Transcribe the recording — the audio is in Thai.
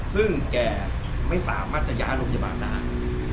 ซึ่งแกไม่สามารถจะย้ายโรงพยาบาลได้